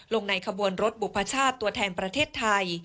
ในขบวนรถบุพชาติตัวแทนประเทศไทย